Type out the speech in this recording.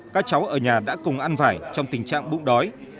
các cháu ở nhà đã cùng ăn vải trong tình trạng bụng đói